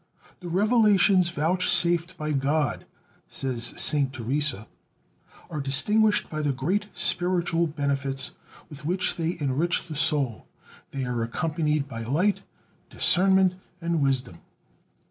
"The revelations vouchsafed by God," says Saint Teresa, "are distinguished by the great spiritual benefits with which they enrich the soul; they are accompanied by light, discernment, and wisdom."